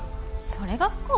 それが不幸？